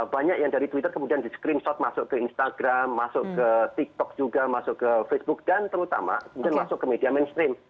banyak yang dari twitter kemudian di screenshot masuk ke instagram masuk ke tiktok juga masuk ke facebook dan terutama kemudian masuk ke media mainstream